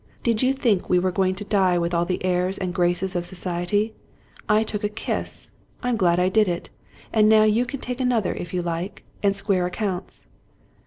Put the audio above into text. Did you think we were going to die with all the airs and graces of society ? I took a kiss ; I'm glad I did it ; and now you can take another if you like, and square ac counts."